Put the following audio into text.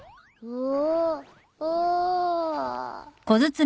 おお。